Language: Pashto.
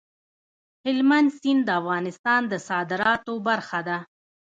هلمند سیند د افغانستان د صادراتو برخه ده.